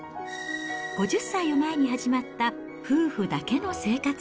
５０歳を前に始まった夫婦だけの生活。